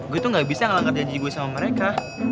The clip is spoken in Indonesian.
gue tuh gak bisa ngelanggar janji gue sama mereka